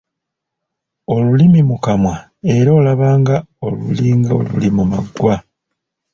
Olulimi mu kamwa era olaba nga lulinga oluli mu maggwa.